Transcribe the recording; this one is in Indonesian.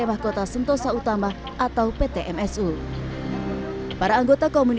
dan ketika mas bath sini